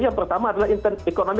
yang pertama adalah internasional